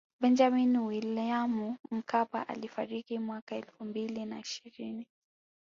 Benjamini Williamu Mkapa alifariki mwaka elfu mbili na ishirini